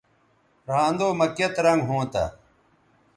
رھاندو مہ کیئت رنگ ھونتہ